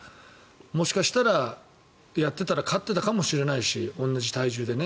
もしかしたら、やっていたら勝っていたかもしれないし同じ体重でね。